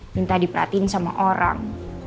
minta diperhatiin sama orang